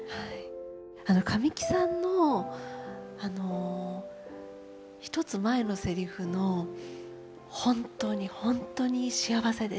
あの神木さんの一つ前のセリフの「本当に本当に幸せでした」と。